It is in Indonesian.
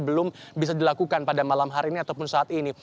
belum bisa dilakukan pada malam hari ini ataupun saat ini